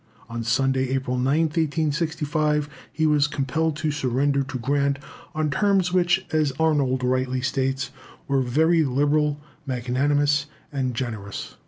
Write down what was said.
On Sunday, April 9th, 1865, he was compelled to surrender to Grant on terms which, as Arnold rightly states, were very liberal, magnanimous, and generous.